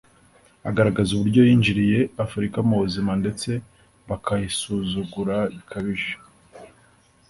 Agaragaza uburyo yinjiriye Afurika mu buzima ndetse bakayisuzugura bikabije